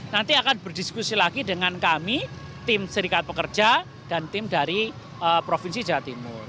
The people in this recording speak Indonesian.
nanti akan berdiskusi lagi dengan kami tim serikat pekerja dan tim dari provinsi jawa timur